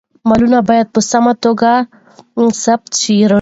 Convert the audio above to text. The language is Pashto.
مالونه باید په سمه توګه ثبت شي.